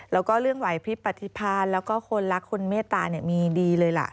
แล้วก็เรื่องวัยพิภัทธิพลแล้วก็คนรักคนเมตตามีดีเลย